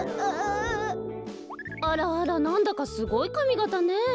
あらあらなんだかすごいかみがたねえ。